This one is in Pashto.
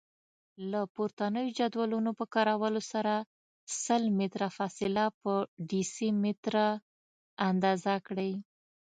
له پورتنیو جدولونو په کارولو سره سل متره فاصله په ډیسي متره اندازه کړئ.